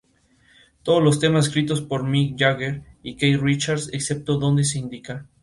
Todos los temas escritos por Mick Jagger y Keith Richards, excepto donde se indica.